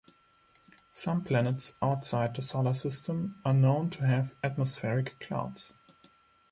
Some planets outside the solar system are known to have atmospheric clouds.